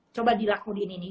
coba dilakuin ini nih